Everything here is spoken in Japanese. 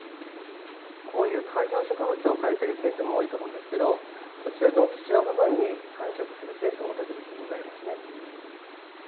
こういう観葉植物を置かれているケースも多いと思うんですけれども、こちらの土の部分に繁殖するケースも、時々ございますね。